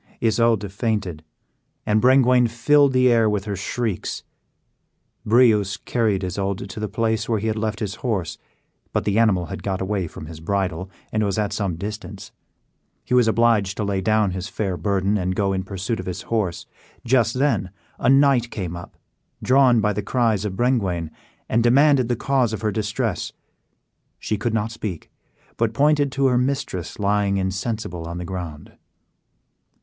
Isoude fainted, and Brengwain filled the air with her shrieks. Breuse carried Isoude to the place where he had left his horse; but the animal had got away from his bridle, and was at some distance. He was obliged to lay down his fair burden, and go in pursuit of his horse. Just then a knight came up, drawn by the cries of Brengwain, and demanded the cause of her distress. She could not speak, but pointed to her mistress lying insensible on the ground.